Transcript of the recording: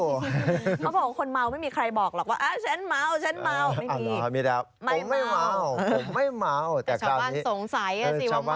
เขาบอกคนม้าวไม่มีใครบอกหรอกว่า